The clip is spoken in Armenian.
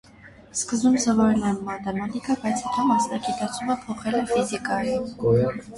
Սկզբից սովորել է մաթեմատիկա, բայց հետո մասնագիտացումը փոխել է ֆիզիկայի։